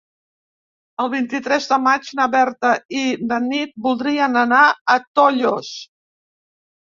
El vint-i-tres de maig na Berta i na Nit voldrien anar a Tollos.